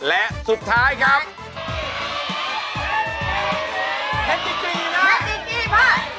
และสุดท้ายครับ